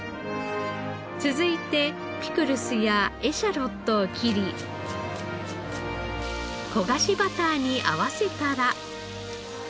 続いてピクルスやエシャロットを切り焦がしバターに合わせたら。